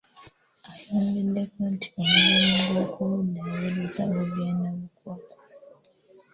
Ayongeddeko nti omulimu gw'okugiddaabiriza gugenda bukwakku.